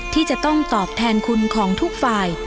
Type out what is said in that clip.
ที่จะต้องตอบแทนคุณของทุกฝ่าย